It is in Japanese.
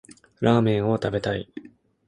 ラーメンを食べたい。